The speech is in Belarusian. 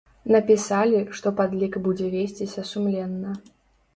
Напісалі, што падлік будзе весціся сумленна.